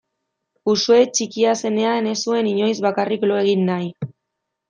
Uxue txikia zenean ez zuen inoiz bakarrik lo egin nahi.